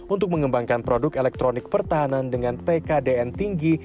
untuk mengembangkan produk elektronik pertahanan dengan tkdn tinggi